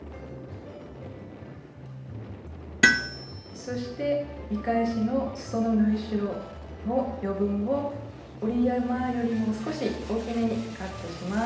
そして見返しのすその縫い代の余分を折り山よりも少し大きめにカットします。